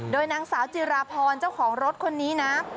โดยนางสาวจิราพรเจ้าของรถคนนี้นะ